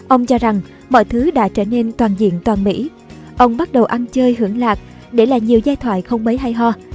ông cho rằng mọi thứ đã trở nên toàn diện toàn mỹ ông bắt đầu ăn chơi hưởng lạc để lại nhiều giai thoại không mấy hay ho